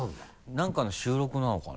何かの収録なのかな？